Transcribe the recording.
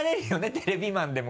テレビマンでも。